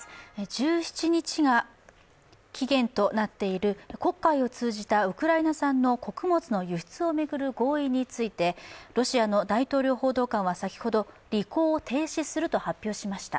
１７日が期限となっている黒海を通じたウクライナ産の穀物の輸出を巡る合意についてロシアの大統領報道官は先ほど、履行を停止すると発表しました。